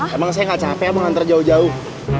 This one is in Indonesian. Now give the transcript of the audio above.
emang saya gak capek mau ngantar jauh jauh